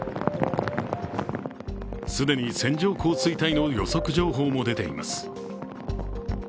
既に線状降水帯の予測情報も出ています。